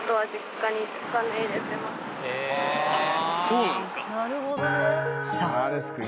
そうなんですか。